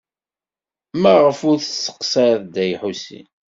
Maɣef ur tesseqsayeḍ Dda Lḥusin?